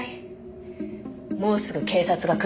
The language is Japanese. もうすぐ警察が来るわ。